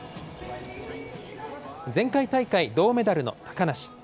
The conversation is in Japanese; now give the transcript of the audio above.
前回大会銅メダルの高梨。